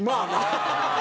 ハハハハ！